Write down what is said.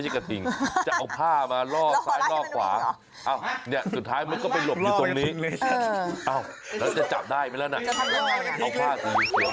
ใช่กลับจะเอาคลุมไว้นั่นแหละแต่ดูดูดู